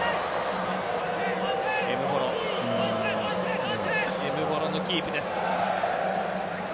エムボロのキープです。